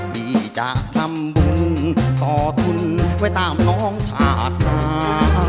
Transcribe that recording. ที่จะทำบุญต่อทุนไปตามน้องชาติตา